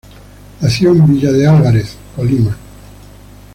Nació en Villa de Álvarez, Colima.